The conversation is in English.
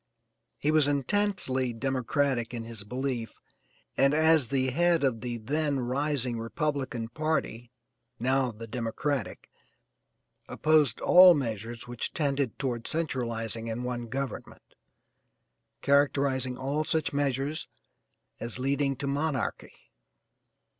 He was intensely Democratic in his belief and as the head of the then rising Republican party now the Democratic opposed all measures which tended toward centralizing in one government, characterizing all such measures as leading to monarchy.